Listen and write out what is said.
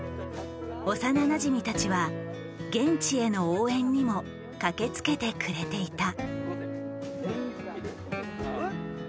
幼なじみたちは現地への応援にも駆けつけてくれていた。